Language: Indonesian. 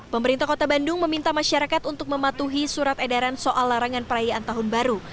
pemerintah kota bandung meminta masyarakat untuk mematuhi surat edaran soal larangan perayaan tahun baru